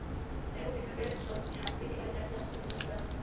এরপর টেকনাফের দমদমিয়া জেটি ঘাটে চারটি জাহাজ তুলে নোঙর করে রাখা হয়।